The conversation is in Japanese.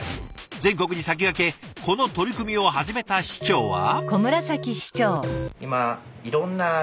全国に先駆けこの取り組みを始めた市長は。